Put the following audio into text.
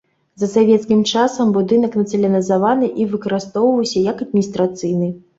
За савецкім часам будынак нацыяналізаваны і выкарыстоўваўся як адміністрацыйны.